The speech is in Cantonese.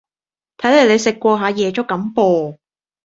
睇黎你食過下夜粥咁噃